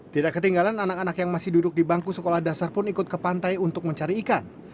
tidak ketinggalan anak anak yang masih duduk di bangku sekolah dasar pun ikut ke pantai untuk mencari ikan